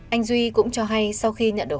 anh duy cũng cho hay sau khi nhận được